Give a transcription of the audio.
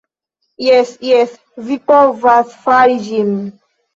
"Jes jes, vi povas fari ĝin.